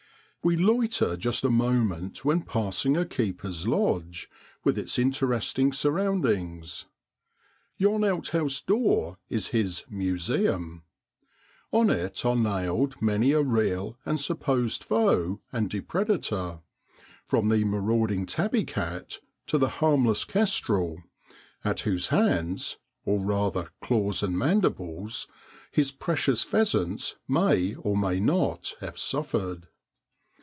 We loiter just a moment when passing a keeper's lodge, with its interesting surroundings. Yon outhouse door is his ' museum.' On it are nailed many a real and supposed foe and depredator, from the marauding tabby cat to the harmless kestrel, at whose hands or rather claws and mandibles his precious pheasants may or may not have suffered.